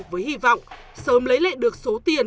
với hy vọng sớm lấy lại được số tiền